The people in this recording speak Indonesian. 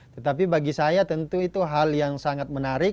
tetapi bagi saya tentu itu hal yang sangat menarik